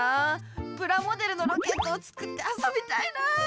プラモデルのロケットを作ってあそびたいな。